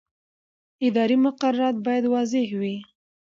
اداري مقررات باید واضح وي.